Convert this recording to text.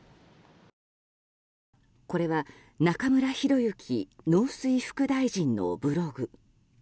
これは中村裕之農水副大臣のブログ。